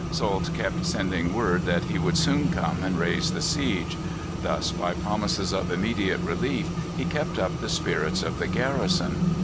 Soult kept sending word that he would soon come and raise the siege; thus, by promises of immediate relief, he kept up the spirits of the garrison.